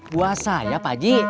buah sayap haji